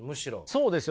そうですよね。